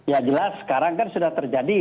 ya jelas sekarang kan sudah terjadi